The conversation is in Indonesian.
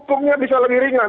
hukumnya bisa lebih ringan